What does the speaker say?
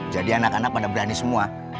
jadi anak anak pada berani semua